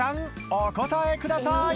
お答えください